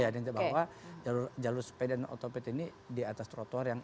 bahwa jalur sepeda dan otopet ini di atas trotoar yang